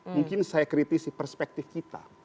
mungkin saya kritisi perspektif kita